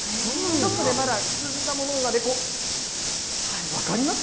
ちょっとまだ、くすんだものがね、こう、分かります？